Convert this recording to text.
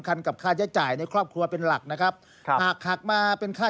ปกติก็ครั้งละก็พันกว่าบาทกับสองพัน